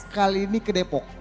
kali ini ke depok